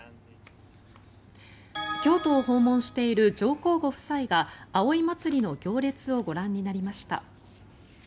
京都を訪問している上皇ご夫妻が葵祭の行列をご覧になりました。